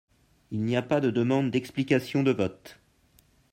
Il n’y a pas de demande d’explication de votes.